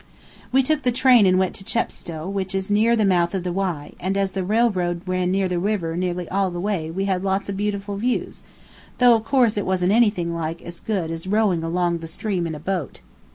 We took the train and went to Chepstow, which is near the mouth of the Wye, and as the railroad ran near the river nearly all the way we had lots of beautiful views, though, of course, it wasn't anything like as good as rowing along the stream in a boat.